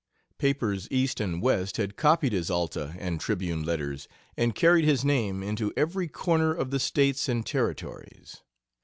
Papers East and West had copied his Alta and Tribune letters and carried his name into every corner of the States and Territories.